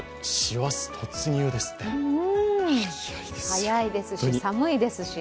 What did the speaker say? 早いですし寒いですし。